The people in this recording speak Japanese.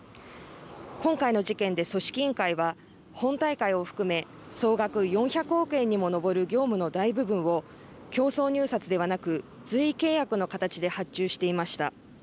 今回の事件で組織委員会は本大会を含め総額４００億円にも上る業務の大部分を競争入札ではなく随意契約の形で発注していました。